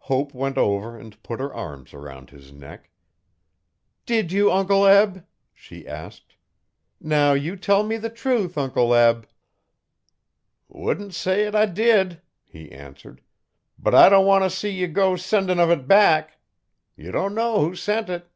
Hope went over and put her arms around his neck. 'Did you, Uncle Eb?' she asked. 'Now you tell me the truth, Uncle Eb.' 'Wouldn't say 't I did,' he answered, 'but I don' want 'a see ye go sendin' uv it back. Ye dunno who sent it.'